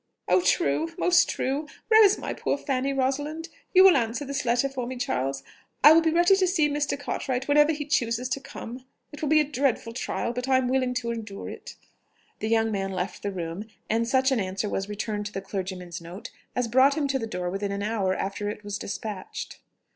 "Oh, true ... most true!... Where is my poor Fanny, Rosalind? You will answer this letter for me, Charles?... I will be ready to see Mr. Cartwright whenever he chooses to come.... It will be a dreadful trial but I am willing to endure it." The young man left the room, and such an answer was returned to the clergyman's note as brought him to the door within an hour after it was despatched.